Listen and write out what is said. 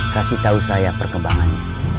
kasih tahu saya perkembangannya